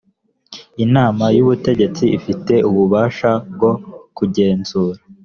inama y ubutegetsi ifite ububasha bwo kugenzura